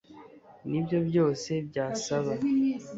nibyo byose byasaba